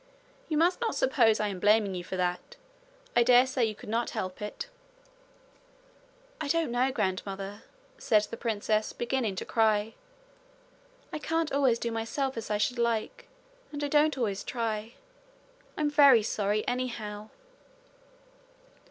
You must not suppose I am blaming you for that. I dare say you could not help it.' 'I don't know, grandmother,' said the princess, beginning to cry. 'I can't always do myself as I should like. And I don't always try. I'm very sorry anyhow.'